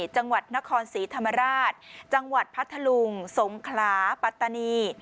จังหวัดนครศรีธรรมราชจังหวัดพัทธลุงสงขลาปัตตานี